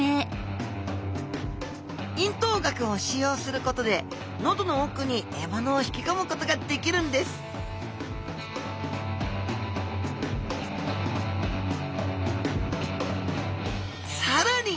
咽頭顎を使用することで喉の奥に獲物を引きこむことができるんですさらに